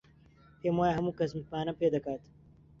پێم وایە هەموو کەس متمانەم پێ دەکات.